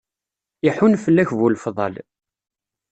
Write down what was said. Iḥun fell-ak bu lefḍal.